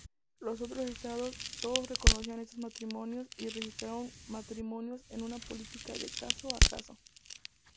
Los otros estados, todos reconocían estos matrimonios,y registraron matrimonios en una política de caso-a-caso.